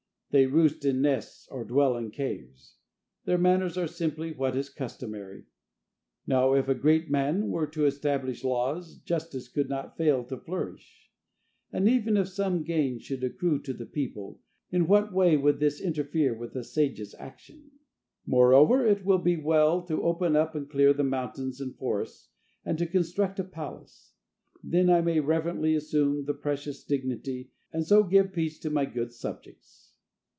They roost in nests or dwell in caves. Their manners are simply what is customary. Now if a great man were to establish laws, justice could not fail to flourish. And even if some gain should accrue to the people, in what way would this interfere with the sage's action? Moreover it will be well to open up and clear the mountains and forests, and to construct a palace. Then I may reverently assume the precious dignity, and so give peace to my good subjects.